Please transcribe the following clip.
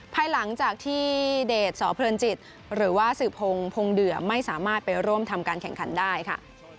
ภายหลังจากที่เดชสเพลินจิตหรือว่าสื่อพงศ์พงเดือไม่สามารถไปร่วมทำการแข่งขันได้ค่ะ